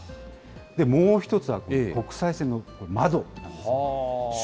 もう一つは国際線の窓なんです。